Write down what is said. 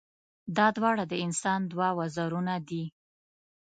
دا دواړه د انسان دوه وزرونه دي.